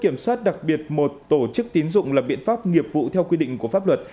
kiểm soát đặc biệt một tổ chức tín dụng là biện pháp nghiệp vụ theo quy định của pháp luật